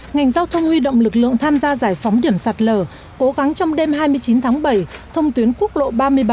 ngành giao thông huy động lực lượng tham gia giải phóng điểm sạt lở cố gắng trong đêm hai mươi chín tháng bảy thông tuyến quốc lộ ba mươi bảy